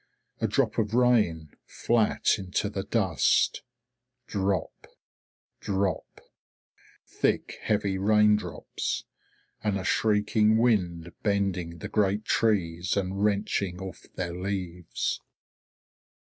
A drop of rain, flat into the dust. Drop! Drop! Thick heavy raindrops, and a shrieking wind bending the great trees and wrenching off their leaves.